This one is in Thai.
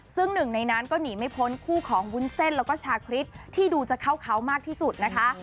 ซึ่งหนึ่งในนั้นก็หนีไม่พ้นคู่ของวุ้นเส้นแล้วก็ชาคริสที่ดูจะเข้าเขามากที่สุดนะคะ